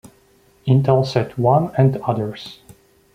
Intelsat One and others.